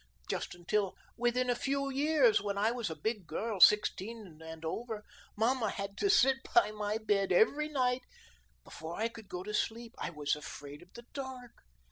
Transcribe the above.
Just until within a few years, when I was a big girl, sixteen and over, mamma had to sit by my bed every night before I could go to sleep. I was afraid in the dark.